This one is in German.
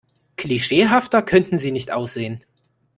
Klischeehafter könnten Sie nicht aussehen.